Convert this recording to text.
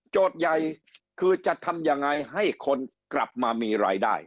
ใหญ่คือจะทำยังไงให้คนกลับมามีรายได้